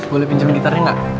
boleh pinjemin gitarnya gak